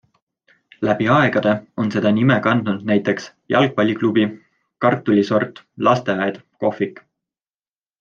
Läbi aegade on seda nime kandnud näiteks jalgpalliklubi, kartulisort, lasteaed, kohvik...